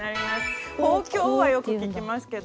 豊胸はよく聞きますけど。